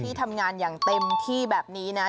ที่ทำงานอย่างเต็มที่แบบนี้นะ